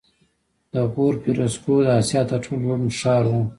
د غور فیروزکوه د اسیا تر ټولو لوړ ښار و